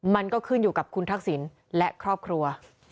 มันก็ขึ้นอยู่กับคุณทักษิณและครอบครัว